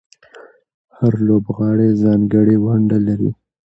هر لوبغاړی ځانګړې ونډه لري.